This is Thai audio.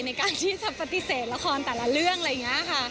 ในการที่จะปฏิเสธละครแต่ละเรื่องอะไรอย่างนี้ค่ะ